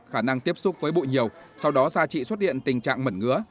khả năng tiếp xúc với bụi nhiều sau đó ra chị xuất hiện tình trạng mẩn ngứa